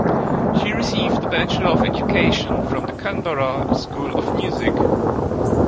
She received a Bachelor of Education from the Canberra School of Music.